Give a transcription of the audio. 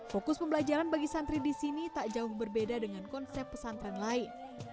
fokus pembelajaran bagi santri di sini tak jauh berbeda dengan konsep pesantren lain